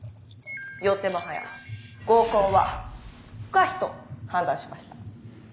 よってもはや合コンは不可避と判断しました。